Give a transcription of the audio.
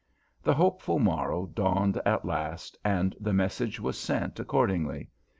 The hopeful morrow dawned at last, and the message was sent accordingly.